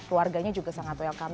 keluarganya juga sangat welcome